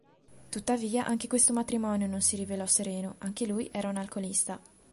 Tuttavia anche questo matrimonio non si rivelò sereno; anche lui era un alcolista.